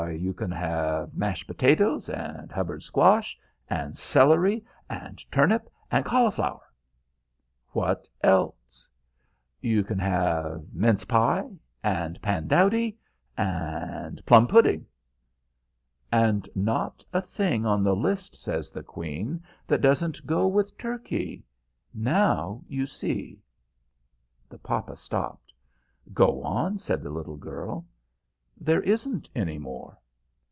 "You can have mashed potatoes, and Hubbard squash, and celery, and turnip, and cauliflower." "What else?" "You can have mince pie, and pandowdy, and plum pudding." "And not a thing on the list," says the Queen, "that doesn't go with turkey! Now you see." The papa stopped. "Go on," said the little girl. "There isn't any more."